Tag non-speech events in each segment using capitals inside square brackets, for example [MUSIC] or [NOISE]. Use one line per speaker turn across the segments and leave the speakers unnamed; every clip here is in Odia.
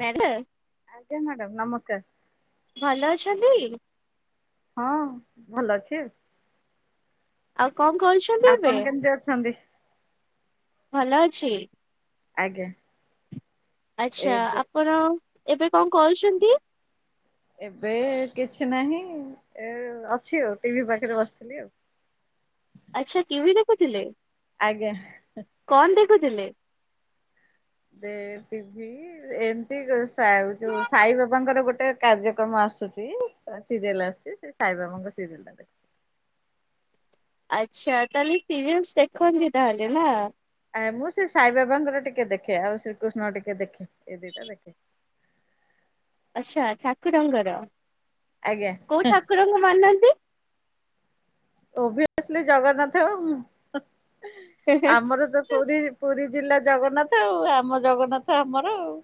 ମେଲ
ଆଜ୍ଞା ମ୍ୟାଡ଼ାମ ନମସ୍କାର।
ଭଲ ଅଛନ୍ତି?
ହଁ ଭଲ ଅଛି ଆଉ।
ଆଉ କଣ କରୁଛୁ?
ଆପଣ କେମିତି ଅଛନ୍ତି?
ଭଲ ଅଛି।
ଆଜ୍ଞା।
ଆଚ୍ଛା
ଏବେ
ଆପଣ ଏବେ କଣ କରହୁଛନ୍ତି?
ଏବେ କିଛି ନାହିଁ ଏ ଅଛି ଆଉ ଟିଭି ପାଖରେ ବସିଥିଲି ଆଉ।
ଆଚ୍ଛା ଟିଭିି ଦେଖୁଥିଲେ?
ଆଜ୍ଞା।
କଣ ଦେଖୁଥିଲେ।
ସେ ଟିଭି ଏମିତି ଯୋ ସା ସାଇ ବାବାଙ୍କର ଗୋଟେ। କାର୍ଯ୍ୟକ୍ରମ ଆସୁଛି ସିରିଏଲ ଆସୁଛି ସେ ସାଇବାବାଙ୍କ ସିରିଏଲ ଟା ଦେଖେ।
ଆଚ୍ଛା ତାହେଲେ ସିରିଏଲସ ଦେଖନ୍ତି ତାହେଲେ ନା।
ଆ ମୁଁ ସେ ସାଇ ବାବାଙ୍କର ଟିକେ ଦେଖେ ଆଉ ଶ୍ରୀକୃଷ୍ଣ ଟିକେ ଦେଖେ ଏଇ ଦିଟା ଦେଖେ।
ଆଚ୍ଛା ଠାକୁରଙ୍କ।
ଆଜ୍ଞା।
କୋଉ ଠାକୁରଙ୍କୁ ମାନନ୍ତି।
ଓଭିସଲି ଜଗନ୍ନାଥ ଆମର ତ। ପୁରୀ ପୁରୀ ଜିଲ୍ଲା ଜଗନ୍ନାଥ ଆଉ ଆମ ଜଗନ୍ନାଥ ଆମର ଆଉ।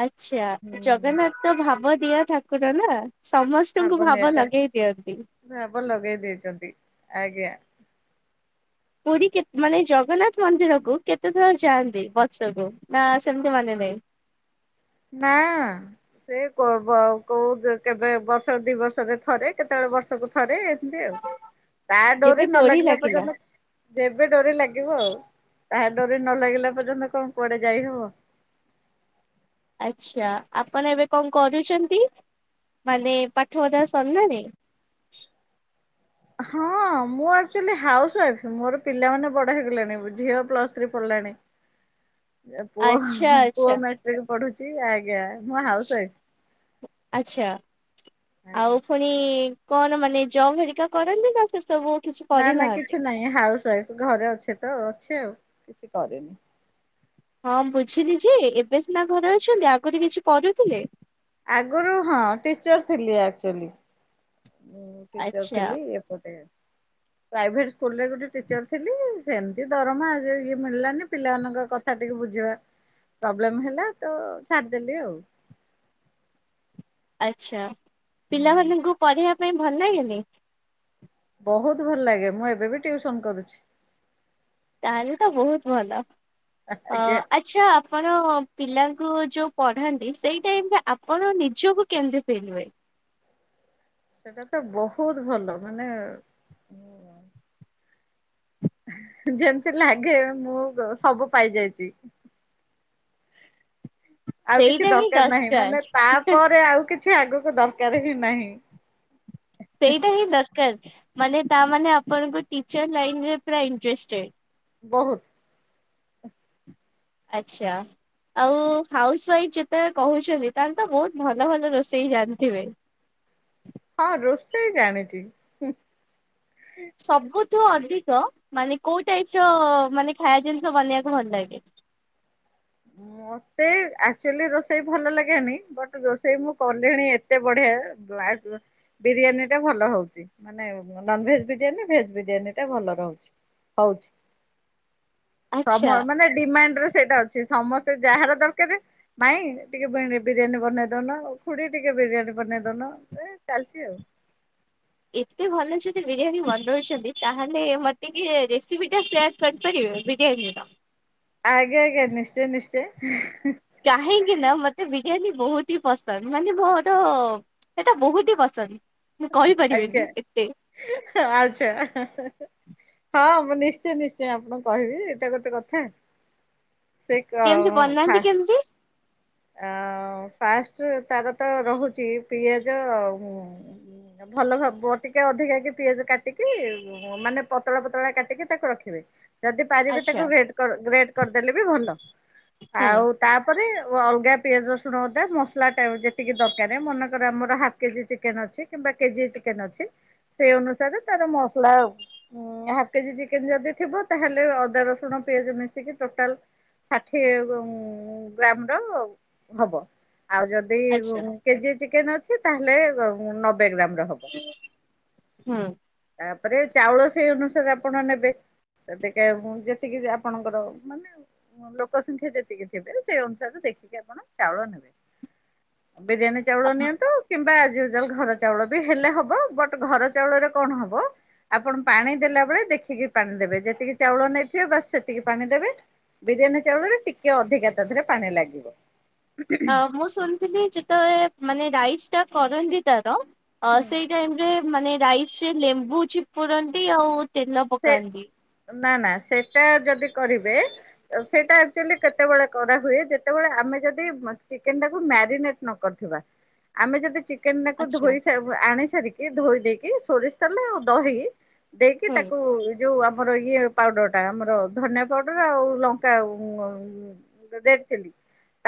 ଆଛା ଜଗନ୍ନାଥ ତ ଭାବ ଦିଆ ଠକୁର ନା। ସମସ୍ତଙ୍କୁ ଭାବ ଲଗେଇ ଦିଅନ୍ତି।
ଭାବ ଲଗେଇ ଦେଇେଇଛନ୍ତି ଆଜ୍ଞା।
ପୁରୀ କେତେ ମାନେ ଜଗନ୍ନାଥ ମନ୍ଦିର କୁ କେତେ ଥର ଯାଆନ୍ତି ବର୍ଷକୁ ନା ସେମତି ମାନେ ନାହିଁ।
ନା ସେ କୋଉ କେବେ ବର୍ଷ ଦି ବର୍ଷରେ ଥରେ କେତେବେଳେ ବର୍ଷକୁ ଥରେ ଏମିତି ଆଉ।
ହଉ
ତାଡୋରି ନ ଲାଗିଲା ପଯ୍ୟନ୍ତ। ଯେବେ ଡୋରି ଲାଗିବ ଆଉ ତାହା ଡୋରି ନ ଲାଗିଲା ପର୍ଯ୍ୟନ୍ତ କଣ କୁଆଡେ ଯାଇହବ।
ଆଚ୍ଛା ଆପଣ ଏବେ କଣ କରୁଛନ୍ତି ମାନେ ପାଠ ପଢ଼ା ସରିଲାଣି।
ହଁ ମୁଁ ଆକ୍ଚୁଆଲି ହାଉସ ୱାଇଫ୍ ମୋର ପିଲାମାନେ ବଡ ହେଇଗଲେଣି ଝିଅ ପ୍ଲସ ଥ୍ରୀ ପଢ଼ିଲାଣି। ଏ ପୁଅ
ଆଚ୍ଛା
ପୁଅ
ଆଚ୍ଛା
ମଟ୍ରିକ୍ ପଢୁଛି ଆଜ୍ଞା। ମୁଁ ହାଉସ ୱାଇଫ
ଆଛା
ଆଜ୍ଞା।
ଆଉ। ପୁଣି କଣ ମାନେ ଜବ ହେରିକା କରନ୍ତି ନା ସେ ସବୁ। କିଛି
ନା ନା
କରିନାହାନ୍ତି?
କିଛି ନାହିଁ ହାଉସ ୱାଇଫ ଘରେ ଅଛେ ତ ଅଛି ଆଉ କିଛି କରିନି।
ହଁ ବୁଝିଲି ଯେ ଏବେ ସିନା ଘରେ ଅଛନ୍ତି ଆଗରୁ କିଛି କରୁଥିଲେ।
ଆଗରୁ ହଁ ଟିଚର୍ ଥିଲି ଆଚୁଲି। ଉଁ ଟିଚର
ଆଚ୍ଛା
ଥିଲି ଏପଟେ ପ୍ରାଇଭେଟ ସ୍କୁରେ ଗୋଟେ ଟିଚର ଥିଲି। ସେମିତି ଦରମା ଆ ଇଏ ମିଳିଲାନି ପିଲାମାନଙ୍କ କଥା ଟିକେ ବୁଝିବା। ପ୍ରୋବ୍ଲେମ ହେଲା ତ ଛାଡିଦେଲି ଆଉ।
ଆଚ୍ଛା ପିଲାମାନଙ୍କୁ ପଢ଼େଇିବା ପାଇଁ ଭଲ ଲାଗେନି।
ବହୁତ୍ ଭଲ ଲାଗେ ମୁଁ ଏବେ ବି ଟିଉସନ୍ କରୁଛି।
ତାହେଲେ ତ ବହୁତ୍ ଭଲ ଅ।
ଆଜ୍ଞା।
ଆଚ୍ଛା ଆପଣ ପିଲାଙ୍କୁ ଯୋଉ ପଢାନ୍ତି ସେଇ ଟାଇମ୍ ରେ ଆପଣ ନିଜକୁ କେମିତି ଫି୍ଲ ହୁଏ।
ସେଟା ତ ବହୁତ୍ ଭଲ ମାନେ। ଯେମତି ଲାଗେ ମୁଁ ସବୁ ପାଇଯାଇଛି। ଆଉ କିଛି
ସେଇଟା ହିଁ
ଦରକାର ନାହିଁ ମାନେ ତାପରେ ଆଉ କିଛି ଆଗକୁ ଦରକାର ହିଁ ନାହିଁ।
ସେଇଟା ହିଁ ଦରକାର ମାନେ ତା ମାନେ ଆପଣଙ୍କୁ ଟିଚର ଲାଇନ୍ ରେ ପୁରା ଇଣ୍ଟେଷ୍ଟେଡ୍।
ବହୁତ୍।
ଆଚ୍ଛା। ଆଉ ହାଉସ ୱାଇଫ୍ ଯେତେବେଳେ କହୁଛନ୍ତି ତାେଲେ ତ ବହୁତ୍ ଭଲ ଭଲ ରୋଷେଇ ଜାଣିଥିବେ।
ହଁ ରୋଷେଇ ଜାଣିଛି।
ସବୁଠୁ ଅଧିକ ମାନେ କୋଉ ଟାଇପ୍ ର ମାନେ ଖାଇବା ଜିନିଷ ବନେଇବାକୁ ଭଲ ଲାଗେ।
ମତେ ଆକ୍ଚୁଆଲି ରୋଷେଇ ଭଲ ଲାଗେନି ବଟ୍ ରୋଷେଇ ମୁଁ କଲିଣି ଏତେ ବଢିଆ। ବିରିୟାନୀ ଟା ଭଲ ହଉଛି। ମାନେ ନନଭେଜ ବିରିୟାନୀ, ଭେଜ ବିରିୟାନୀ ଟା ଭଲ ରହୁଛି ହଉଛି। ସମ
ଆଚ୍ଛା
ମାନେ ଡିମାଣ୍ଡ ରେ ସେଇଟା ଅଛି। ସମସ୍ତେ ଯାହାର ଦରକାର ମାଇଁ ଟିକେ ବିରିୟାନୀ ବନେଇଦଉନ, ଖୁଡି ଟିକେ ବିରିୟାନୀ ବନେଇଦଉନ। ଚାଲିଛି ଆଉ।
ଏତେ ଭଲ ଯଦି ବିରିୟାନୀ ବନଉଛନ୍ତି, ତାହେଲେ ମତେ କି ରେସିପି ଟେଷ୍ଟ୍ ଲାଗିବନି ବିରିୟାନି।
ଆଜ୍ଞା ଆଜ୍ଞା ନିଶ୍ଚୟ ନିଶ୍ଚୟ।
କାହିଁକି ନା ମତେ ବିରିୟାନୀ ବହୁତ ହି ପସନ୍ଦ ମାନେ ମୋର ଏଟା ବହୁତ ହି ପସନ୍ଦ ମୁଁ
ଆଜ୍ଞା।
କହିପାରିବିନି ଏତେ।
ଆଚ୍ଛା। ହଁ ମୁଁ ନିଶ୍ଚୟ ନିଶ୍ଚୟ ଆପଣଙ୍କୁ କହିବି ଏଇଟା ଗୋଟେ କଥା। ସେଇତ
କେମିତି
ଆଉ
ବନାନ୍ତି
ଫା
କେମିତି
ଆଉ ଫାଷ୍ଟ ତାର ତ ରହୁଛି ପିଆଜ ଆଉ। ଭଲ ଭାବ ଟିକେ ଅଧିକା କି ପିଆଜ କାଟିକି ମାନେ ପତଳା ପତଳା କାଟିକି ତାକୁ ରଖିବେ। ଯଦି ପାରିବେ
ଆଚ୍ଛା
ତାକୁ ଗ୍ରେଟ କରି ଗ୍ରେଟ କରିଦେଲେ ବି ଭଲ
ହୁଁ
ଆଉ ତାପରେ ଓ ଅଲଗା ପିଆଜ, ରସୁଣ, ଅଦା ମସଲା ଟା ଯେତିକି ଦରକାର ମନେକର ଆମର ହାଫ୍ କେଜି ଚିକେନ ଅଛି। କିମ୍ବା କେଜିଏ ଚିକେନ ଅଛି ସେଇ ଅନୁସାରେ ତାର ମସଲା ହାଫ୍ କେଜି ଚିକେନ ଯଦି ଥିବ ତାହେଲେ ଅଦା, ରସୁଣ, ପିଆଜ ମିଶିକି ଟୋଟାଲ ଷାଠିଏ ଉଁ ଗ୍ରାମ୍ ର ହବ ଆଉ ଯଦି
ଆଚ୍ଛା
କେଜିଏ ଚିକେନ୍ ଅଛି। ତାହେଲେ ନବେ ଗ୍ରାମ ର ହେବ।
ହୁଁ।
ତାପରେ ଚାଉଳ ସେଇ ଅନୁସାରେ ଆପଣ ନେବେ। ତ ଟିକେ ଫୁଣି ଯେତିକି ଆପଣଙ୍କର ମାନେ ଲୋକ ସଂଖ୍ୟା ଯେତିକି ଥିବେ ସେଇ ଅନୁସାରେ ଦେଖିକି ଆପଣ ଚାଉଳ ନେବେ ବିରିୟାନୀ ଚାଉଳ ନିଅନ୍ତୁ କିମ୍ବା ଜଲ୍ ଘର ଚାଉଳ ବି ହେଲେ ହବ ବଟ୍ ଘର ଚାଉଳରେ କଣ ହବ ଆପଣ ପାଣି ଦେଲା ବେଳେ ଦେଖିକି ପାଣି ଦେବେ, ଯେତିକି ଚାଉଳ ନେଇଥିବେ ବାସ୍ ସେତିକି ପାଣି ଦେବେ। ବିରିୟାନୀ ଚାଉଳରେ ଟିକେ ଅଧିକା ତା ଦେହରେ ପାଣି ଲାଗିବ।
ଆ ମୁଁ ଶୁଣିଥିଲି ଯେତେବେଳେ ମାନେ ରାଇସ୍ ଟା କରନ୍ତି ତାର ଅ ସେଇ ମାନେ ରାଇସ୍ ରେ ଲେମ୍ବୁ ଚିପୁଡ଼ନ୍ତି ଆଉ ତେଲ
ସେ
ପକାନ୍ତି।
ନା ନା ସେଇଟା ଯଦି କରିବେ ସେଇଟା ଆକ୍ଚୁଆଲି କେତେବେଳେ କରାହୁଏ ଯେତେବେଳେ ଆମେ ଯଦି ଚିକେନ ଟାକୁ ମ୍ୟାରିନେଟ୍ କରିଥିବା ଆମେ ଯଦି ଚି ଚିକେନ ଟାକୁ
ଆଚ୍ଛା
ଧୋଇ ସାରି ଆଣି ସାରିକି ଧୋଇ ଦେଇକି ସୋରିଷ ତେଲ ଆଉ ଦହି ଦେଇକି
ହୁଁ
ଯେଉ ଆମର ଇଏ ପାଉଡର ଟା ଆମର ଧନିଆ ପାଉଡର ଆଉ ଲଙ୍କା ଯଦି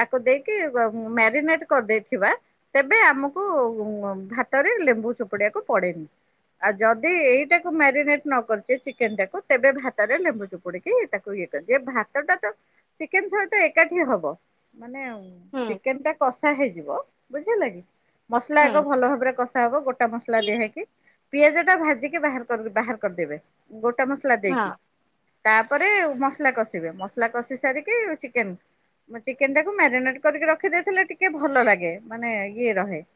ତାକୁ ଦେଇକି ମ୍ୟାରିନେଟ କରିଦେଇଥିବା। ତେବେ ଆମକୁ ଉ ଭାତରେ ଲେମ୍ବୁ ଚୁପୁଡିବାକୁ ପଡେନି। ଆଉ ଯଦି ଏଇଟାକୁ ମ୍ୟାରିନେଟ୍ ନ କରିଛେ ଚିକେନ ଟାକୁ ତେବେ ଭାତରେ ଲେମ୍ବୁ ଚୁପୁଡିକି ତାକୁ ଇଏ କରିଦିଏ ଭାତ ଟା ତ ଚିକେନ୍ ସହିତ ଏକାଠି ହବ ମାନେ
ହୁଁ
ଚିକେନ୍ ଟା କଷା ହେଇଯିବ ବୁଝିହେଲା କି ମସଲା
ହୁଁ
ଆଗ ଭଲ ଭାବରେ କଷା ହବ ଗୋଟା ମସଲା ଦିଆ ହେଇକି ପିଆଜ ଟା ଭାଜିକି ବାହାର ବାହାର କରିଦେବେ। ଗୋଟା ମସଲା
ହଁ
ଦେଇକି ତାପରେ ମସଲା କଷିବେ ମସଲା କଷି ସାରିକି ଚିକେନ ମା ଚିକେନ୍ ଟାକୁ ମାରିନେଟ୍ କରିକି ରଖିଦେଇଥିଲେ ଟିକେ ଭଲ ଲାଗେ ମାନେ ଇଏ ରହେ।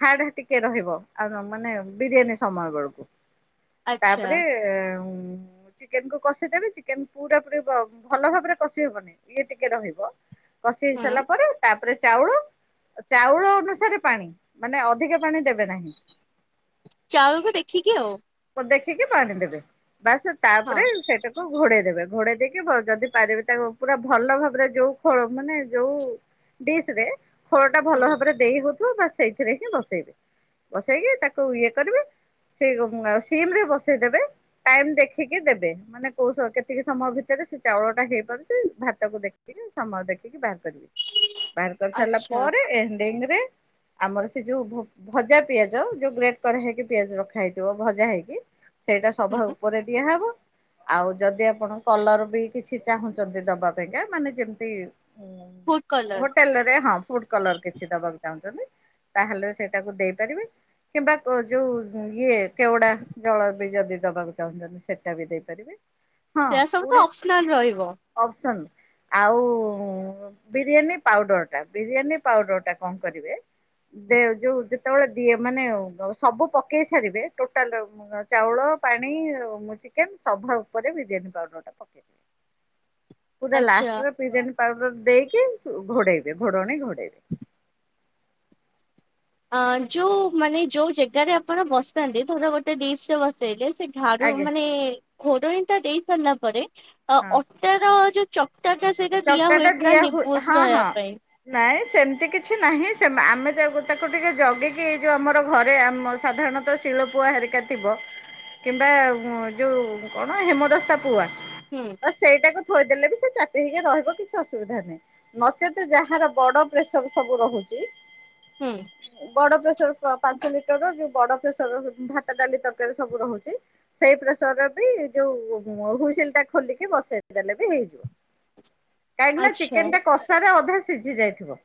ହାଡ ଟିକେ ରହିବ ଆଉ ମାନେ ବିରିୟାନୀ ସମୟ ବେଳକୁ।
ଆଚ୍ଛା
ତାପରେ ଉ ଚିକେନ୍ କୁ କଷିଦେବେ ଚିକେନ୍ ପୁରା ପରି ଭଲ ଭାବରେ କଷି ହବନି ଇଏ ଟିକେ ରହିବ। କଷି ହେଇ
ହୁଁ
ସାରିଲା ପରେ ତାପରେ ଚାଉଳ ଚାଉଳ ଅନୁସାରେ ପାଣି ମାନେ ଅଧିକ ପାଣି ଦେବେ ନାହିଁ।
ଚାଉଳକୁ ଦେଖିକି ଆଉ।
ବ ଦେଖିକି ପାଣି ଦେବେ ବାସ୍
ହଁ
ତାପରେ ସେଇଟା ଘୋଡେଇ ଦେବେ ଘୋଡେଇ ଦେଇକି ଯଦି ପାରିବେ ତାକୁ ପୁରା ଭଲ ଭାବରେ ଯୋଉ ଖୋଳ ମାନେ ଯୋଉ ଡିସ୍ ରେ ଖୋଳ ଟା ଭଲ
ହୁଁ
ଭାବରେ ଦେଇ ହଉଥିବ ବା ସେଇଥିରେ ହିଁ ବସେଇବେ। ବସେଇକି ତାକୁ ଇଏ କରିବେ ସେ ସିମ୍ ରେ ବସେଇଦବେ। ଟାଇମ୍ ଦେଖିକି ଦେବେ ମାନେ କୋଉ କେତିକି ସମୟ ଭିତରେ ସେ ଚାଉଳ ଟା ହେଇପାରୁଛି ଭାତକୁ ଦେଖିକି। ଉ ସମୟ ଦେଖିକି ବାହାର କରିବେ ବାହାର କରି ସାରିଲା
ଆଚ୍ଛା
ପରେ ଏଣ୍ଡିଂରେ ଆମର ସେଇ ଯୋଉଁ ଭଜା ପିଆଜ ଯେଉଁ ଗ୍ରେଟ୍ କରା ହେଇକି ପିଆଜ ରଖା ହେଇଇଥିବ ଭଜା ହେଇକି ସେଇଟା ସଭା
ହୁଁ
ଉପରେ ଦିଆହବ। ଆଉ ଯଦି ଆପଣ କଲର ବି କିଛି ଚାହୁଁଛନ୍ତି ଦବା ପାଇଁକା ମାନେ ଯେମିତି
ଫୁଡ କଲର
ହୋଟେଲରେ ହଁ ଫୁଡ୍ କଲର୍ କିଛି ଦବାକୁ ଚାହୁଁଛନ୍ତି? ତାହେଲେ ସେଇଟାକୁ ଦେଇପାରିବେ କିମ୍ବା କ ଯୋଉ ଇଏ କେଉଡା ଜଳ ବି ଯଦି ଦବାକୁ ଚାହୁଁଛନ୍ତି ସେଟା ବି ଦେଇପାରିବେ ହଁ
ସେରା ସବୁ ତ
ବୁଢି
ଅପସନାଲ ରହିବ
ଅପସନ୍। ଆଉ ବିରିୟାନୀ ପାଉଡର୍ ଟା ବିରିୟାନୀ ପାଉଡର୍ ଟା କଣ କରିବେ? ଦେ ଯୋଉ ଯେତେବେଳେ ଦିଏ ମାନେ ସବୁ ପକେଇ ସାରିବେ ଟୋଟାଲ୍ ଟା ଚାଉଳ ପାଣି ଆଉ ଚିକେନ୍ ସଭା ଉପରେ ବିରିୟାନୀ ପାଉଡର ଟା ପକେଇ ପୁରା
ଆଚ୍ଛା
ଲାଷ୍ଟ୍ ରେ ବିରିୟାନୀ ପାଉଡର ଦେଇକି ଘୋଡେଇବେ ଘୋଡଣି ଘୋଡେଇବେ।
ଅ ଯୋଉ ମାନେ ଯୋଉ ଜାଗାରେ ଆପଣ ବସିଥାନ୍ତି। ଥର ଗୋଟେ ଡିଶରେ ବସେଇଲେ ସେ ଠାରୁ
ଆଜ୍ଞା
ମାନେ ଘୋରନି ଟା ଦେଇ ସାରିଲା ପରେ
ହଁ
ଅ ତାର ଯୋଉ ଚକ୍ଟ ଟା ସେଇଟା ଦିଆ
ଚକଟାଟା
ହୁଏ ପୁରା
ଦିଆ ହୁଏ
ନିବୁଜ
ହଁ
ରହିବା
ହଁ।
ପାଇଁ।
ନାଇଁ ସେମିତି କିଛି ନାହିଁ। ଆମେ ତାକୁ ଟିକେ ଜଗିକି ଏଇ ଯୋଉ ଆମର ଘରେମ ଆମ ସାଧାରଣତଃ ତିଳପୁଆ ହେରିକା ଥିବ। କିମ୍ବା ଯୋଉ କଣ ହେମଦସ୍ତା ପୁଆ?
ହୁଁ।
ତ ସେଇଟାକୁ ଥୋଇ ଦେଲେପି ବି ସେ ଚା କେହି କି ରହିବ କିଛି ଅସୁବିଧା ନାହିଁ। ନଚେତ ଯାହାର ବଡ଼ ପ୍ରେସର ସବୁ ରହୁଛି।
ହୁଁ
ବଡ ପ୍ରେସର ପାଞ୍ଚ ଲି ତେଣୁ ଯେ ବଡ ପ୍ରେସର ଭାତ ଡାଲି ତରକାରୀ ସବୁ ରହୁଛି। ସେଇ ପ୍ରସର ବି ଯୋଉ ହୁଇସିଲ ଟା ଖୋଲିକି ବସେଇ ଦେଲେ ବି ହେଇଯିବ। କାହିଁକି ନା
ଆଚ୍ଛା
ଚିକେନ ଟା କଷାରେ ଅଧା ସିଝି ଯାଇଥିବ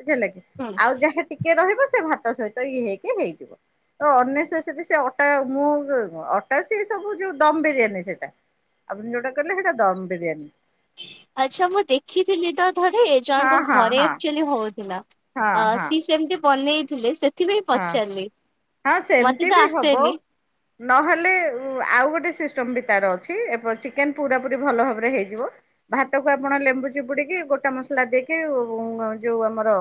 ବୁଝିଲ କି।
ହୁଁ।
ଆଉ ଯାହା ଟି କେ ରହିବ। ସେ ଭାତ ସହିତ ଇଏ ହେଇକି ହେଇଯିବ। ତ ଅନେଶ ସେଠି। ସେ ଅଟା ମୁଁ ଅଟା ସେ ସବୁ ଯୋଉ ଦମ ବିରିୟାନୀ ସେଟା। ଆପଣ ଯୋଉଟା କହିଲେ ସେଇଟା ଦମ ବିରିୟାନୀ।
ଆଚ୍ଛା ମୁଁ ଦେଖିଥିଲି ତ ଥରେ ଜଣ
ହଁ
ଙ୍କ
ହଁ
ଘରେ
ହଁ
ଆକଚୁଲି ହଉଥିଲା।
ହଁ
ଅ
ହଁ
ସିଏ ସେମିତି ବନେଇଥିଲେ ସେଥିପାଇଁ
ହଁ
ପଚାରିଲି। ମତେ ତ ଆସେନି। ହଁ
ନ ହେଲେ ଆଉ ଗୋଟେ ସିଷ୍ଟମ ବି ତାର ଅଛି ଚିକେନ ପୁରା ପୁରି ଭଲ ଭାବରେ ହେଇଯିବ। ଭାତକୁ ଆପଣ ଲେମ୍ବୁ ଚିପୁଡ଼ିକି ଗୋଟା ମସଲା ଦେଇକି। ଯୋଉ ଆମର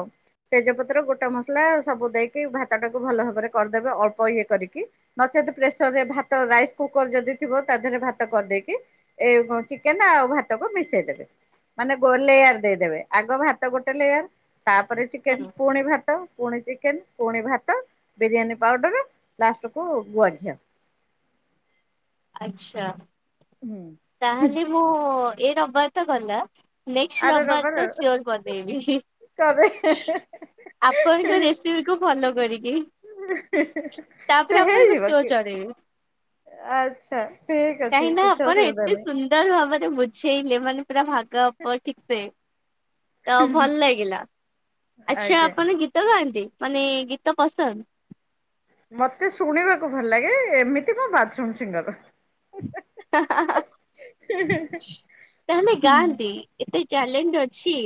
ତେଜପତ୍ର, ଗୋଟା ମସଲା ସବୁ ଦେଇକି ଭାତ ଟାକୁ ଭଲ ଭାବରେ କରିଦେବେ ଅଳ୍ପ ଇଏ କରିକି ନଚେତ ପ୍ରେସରରେ ଭାତ ରାଇସ କୁକର ଯଦି ଥିବ ତା ଦେହରେ ଭାତ କରିଦେଇକି। ଏଇ ଚିକେନ ଆଉ ଭାତ କୁ ମିଶେଇଦବେ। ମାନେ ଗୋ ଲେୟାର ଦେଇ ଦେବେ ଆଗ ଭାତ ଗୋଟେ ଲେୟର ତାପରେ ଚିକେନ
ହୁଁ
ପୁଣି ଭାତ ପୁଣି ଚିକେନ। ପୁଣି ଭାତ ବିରିୟାନୀ ପାଉଡ଼ର ଲାଷ୍ଟ କୁୁ ଗୁଆ ଘିଅ।
ଆଚ୍ଛା
ହୁଁ
ତା ହେଲେ ମୁଁ ଏ ରବବାର ତ ଗଲା। ନେଷ୍ଟ ରବିବାର ତ ସିୟୋର ବନେଇବି ହିଁ।
କରେ।
ଆପଣ କ ରେସିପି କୁ ଫଲୋ କରୀକି?
ସେ ହେଇଯିବ
ସିଓର ଜଣେଇବି।
ଆଚ୍ଛା। ଠିକ ଅଛି। କିଛି ଅସୁବିଧା ନାହିଁ।
ଲ ଭାବରେ ବୁଝେଇଲେ। ମାନେ ପୁରା ଭାଗମାପ ଠିକ ସେ। ତ ଭଲ ଲାଗିଲା। ଆଚ୍ଛା
ଆଜ୍ଞା।
ଆପଣ ଗୀ ଗୀତ ଗାନ୍ତି। ମାନେ ଗୀତ ପସନ୍ଦ?
ମତେ ଶୁଣିବାକୁ ଭଲ ଲାଗେ। ଏମିତି ମୁ ବାଥରୁମ ସିଙ୍ଗର।
ହାଁ ହାଁ ତାହାହେଲେ
ହୁଁ।
ଗାଁନ୍ତି। ଏତେ ଟ୍ୟାଲେଣ୍ଟ ଅଛି।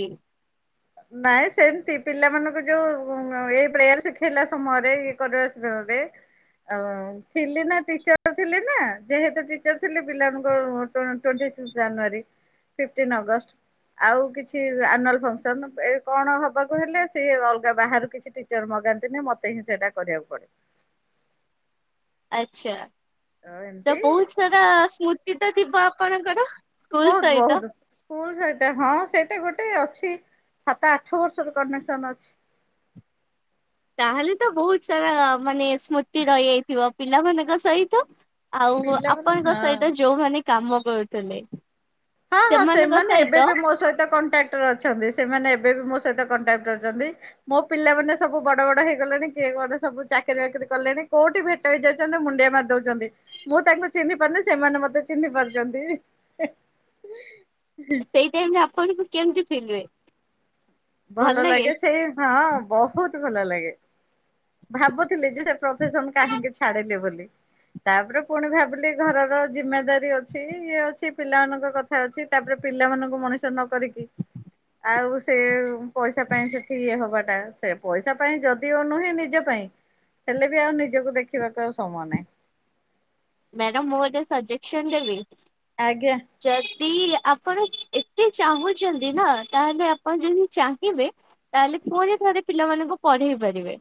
ନାଇଁ ସେମିତି ପିଲାମାନଙ୍କୁ ଯୋଉ ଏଇ ପ୍ରେୟାର ଶିଖେଇଲା ସମୟରେ, ଇଏ କରିବା ସମୟରେ। ଆଉ ଥିଲି ନା, ଟିଚର ଥିଲି ନା। ଯେହେତୁ ଟିଚର ଥିଲି ପିଲାଙ୍କର ତ୍ୱେଣ୍ଟି ଜାନୁଆରୀ, ଫିଫ୍ଟିନ ଅଗଷ୍ଟ ଆଉ କିଛି ଅନୁଆଲଫକ୍ସନ। ଏ କଣ ହବାକୁ ହେଲେ। ସିଏ ଅଲଗା ବାହାରୁ କିଛି ଟିଚର ମଗାନ୍ତିନି। ମତେ ହିଁ ସେଇଟା କରିବାକୁ ପଡିବ।
ଆଚ୍ଛା
ଆଉ
ତ
ଏମିତି
ବହୁତ ସାରା ସ୍ମୃତି ତ ଥିବ ଆପଣଙ୍କର। ସ୍କୁଲ
ବହୁତ,
ସହିତ।
ବହୁତ। ସ୍କୁଲ ସହିତ ହଁ ସେଇଟା ଗୋଟେ ଅଛି। ସାତ ଆଠ ବର୍ଷର କନେକ୍ସନ ଅଛି।
ତାହେଲେ ତ ବହୁତ ସାରା ମାନେ ସ୍ମୃତି ରହିଯାଇଥିବ। ପିଲାମାନଙ୍କ ସହିତ ଆଉ
ପିଲାମାନେ
ଆପଣଙ୍କ
ହଁ।
ସହିତ ଯୋଉ ମାନେ କାମ କରୁଥିଲେ।
ହଁ ହଁ।
ସେମାନଙ୍କ
ସେମାନେ ଏବେ
ସହିତ
ବି ମୋ ସହିତ କଣ୍ଟାକ୍ଟ ଡକ୍ଟର ଅଛନ୍ତି। ସେମାନେ ଏବେ ବି ମୋ ସହିତ କଣ୍ଟାକ୍ଟ ରେ ଅଛନ୍ତି। ମୋ ପିଲାମାନେ ସବୁ ବଡ଼, ବଡ଼ ହେଇଗଲେଣି କିଏ କଣ ସବୁ ଚାକିରି ବାକିରି କଲେଣି। କୋଉଠି ବି ଚାଲି ଯାଉଛନ୍ତି ମୁଣ୍ଡିଆ ମାରି ଦଉଛନ୍ତି। ମୁଁ ତାଙ୍କୁ ଚିହ୍ନି ପାରୁନି ସେମାନେ ମତେ ଚିହ୍ନି ପାରୁଛନ୍ତି। [INAUDIBLE]
ସେଇ ଟାଇମ ରେ ଆପଣଙ୍କୁ କେମତି ଫିଲ ହୁଏ?
ଭଲ ଲାଗେ ସେଇ ହଁ ବହୁତ ଭଲ ଲାଗେ। ଭାବୁଥିଲି ଯେ ସେ ପ୍ରଫେସନ କାହିଁକି ଛାଡିଲେ ବୋଲି। ତାପରେ ପୁଣି ଭାବିଲି ଘରର ଜିମେଦାରି ଅଛି ଇଏ ଅଛି ପିଲାମାନଙ୍କ କଥା। ଅଛି ତାପରେ ପିଲାମାନଙ୍କୁ ମଣିଷ ନ କରିକି ଆଉ ସେ ପଇସା ପାଇଁ ସେଠି ଇଏ ହବାଟା। ସେ ପଇସା ପାଇଁ ଯଦିଓ ନୁହେଁ ନିଜ ପାଇଁ ହେଲେ ବି ଆଉ ନିଜକୁ ଦେଖିବାକୁ ଆଉ ସମୟ ନାହିଁ।
ମ୍ୟାଡ଼ାମ ମୁଁ ଗୋଟେ ସବଜେକ୍ସନ ଦେବି?
ଆଜ୍ଞା।
ଯଦି ଆପଣ ଏତେ ଚାହୁଁଛନ୍ତି ନା ତାହେଲେ ଆପଣ ଯଦି ଚାହିଁବେ ତାହେଲେ ପୁଣିଥରେ ପିଲାମାନଙ୍କୁ ପଢେଇ ପାରିବେ।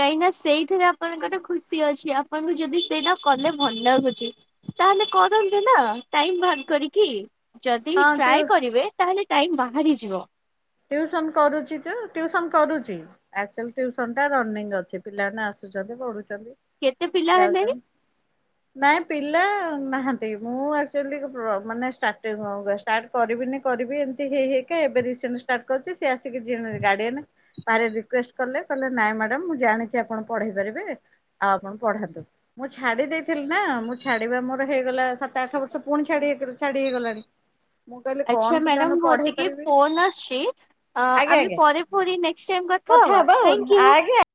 କାହିଁକି ନା ସେଇଥିରେ ଆପଣଙ୍କର ଖୁସି ଅଛି ଆପଣଙ୍କୁ ଯଦି ସେଇଟା କଲେ ଭଲ ଲାଗୁଛି ତାହେଲେ କରନ୍ତୁ ନା ଟାଇମ ବାହାର କରିକି। ଯଦି ବି
ହଁ ଟିଉ
ଟ୍ରାଏ କରିବେ ତାହେଲେ ଟାଇମ ବାହାରିଯିବ।
ଟିଉସନ୍ କରୁଛି ତ ଟିଉସନ୍ କରୁଚି। ଆକଚୋଲି ଟ୍ୟୁସନଟା ରନିଙ୍ଗ ଅଛି ପିଲାମାନେ ଆସୁଚନ୍ତି ପଢୁଚନ୍ତି।
କେତେ ପିଲା ହେଲେ
ଯାଉଚନ୍ତି।
[INAUDIBLE]
ନାଇଁ ପିଲା ନାହାନ୍ତି ମୁଁ ଆକଚୁଆଲି ପ୍ର ମାନେ ଷ୍ଟାର୍ଟି ହ ବେଷ୍ଟ ଷ୍ଟାର୍ଟ କରିବିନି କରିବି ଏମିତି ହେଇ ହେଇକା ଏବେ ରିସେଣ୍ଟ ଷ୍ଟାର୍ଟ କରିଛି ସିଏ ଆସିକି ଗାଡ଼ିଏନ୍ ସାରେ ରିକୁଏଷ୍ଟ କଲେ କହିଲେ ନାଇଁ ମ୍ୟାଡାମ ମୁଁ ଜାଣିଛି ଆପଣ ପଢେଇ ପାରିବେ ଆଉ ଆପଣ ପଢ଼ାନ୍ତୁ। ମୁଁ ଛାଡି ଦେଇଥିଲି ନା ମୁଁ ଛାଡିବା ମୋର ହେଇଗଲା ସାତ ଆଠ ବର୍ଷ ପୁଣି ଛାଡି ଛାଡି ହେଇଗଲାଣି। ମୁଁ କହିଲି କଣ
ଆଛା
ପିଲାଙ୍କୁ
ମ୍ୟାଡ଼ାମ
ପଢେଇ
ମୁଁତିକି
ପାରିବି
ଫୋନ ଆସୁଛି ଅ
ଆଜ୍ଞା
ଆମେ
ଆଜ୍ଞା
ପରେ ପୁଣି ନେକ୍ସଟ୍ ଟାଇମ୍ କଥା ହେବା
ହବା ଆଉ
ଥାଙ୍କୟୁ।
ଆଗେ